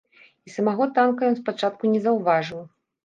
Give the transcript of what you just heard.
І самога танка ён спачатку не заўважыў.